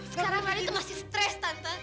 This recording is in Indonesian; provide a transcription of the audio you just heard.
sekarang itu masih stres tante